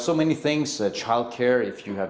ada banyak hal perlindungan anak